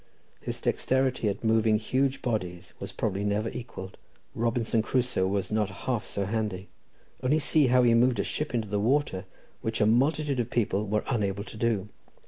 His dexterity at moving huge bodies was probably never equalled. Robinson Crusoe was not half so handy. Only see how he moved a ship into the water, which a multitude of people were unable to do.